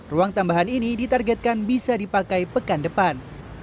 ruang tambahan ini ditargetkan bisa dipakai pekan depan